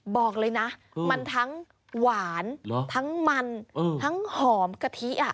บอกเลยนะมันทั้งหวานทั้งมันทั้งหอมกะทิ